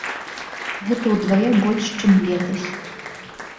Гэта ўдвая больш, чым летась.